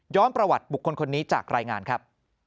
ประวัติบุคคลคนนี้จากรายงานครับ